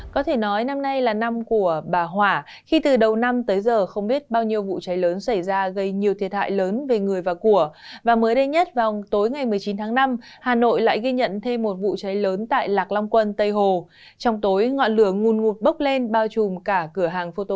các bạn hãy đăng ký kênh để ủng hộ kênh của chúng mình nhé